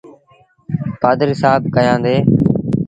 پآڌريٚ سآب ڪيآندي ۔